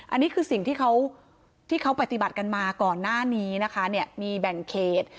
อันนี้คือสิ่งที่เขาที่เขาปฏิบัติกันมาก่อนหน้านี้นะคะมีแบ่งเขต